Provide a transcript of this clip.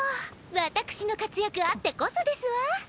私の活躍あってこそですわ。